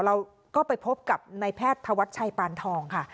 เราก็ไปพบกับนายแพทย์ธวัชชัยปานทองค่ะ